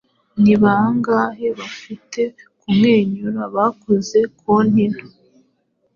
Ni bangahe bafite kumwenyura bakoze konti nto